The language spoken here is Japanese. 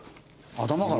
頭から？